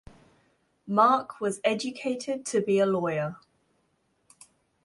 Marc was educated to be a lawyer.